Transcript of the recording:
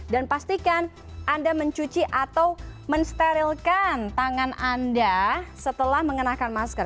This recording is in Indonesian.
dan pastikan anda mencuci atau mensterilkan tangan anda setelah mengenakan masker